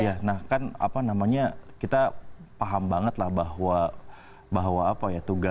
iya nah kan apa namanya kita paham banget lah bahwa apa ya tugas